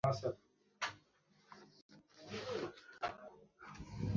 আমি জানি এখন তোমার কী প্রয়োজন।